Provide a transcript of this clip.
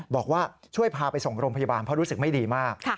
บอกว่าช่วยพาไปส่งโรงพยาบาลเพราะรู้สึกไม่ดีมาก